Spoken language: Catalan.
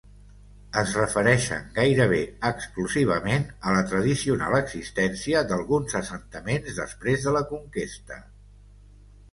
Es refereixen gairebé exclusivament a la tradicional existència d'alguns assentaments després de la conquesta.